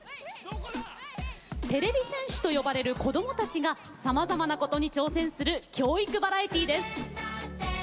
てれび戦士と呼ばれる子どもたちがさまざまなことに挑戦する教育バラエティーです。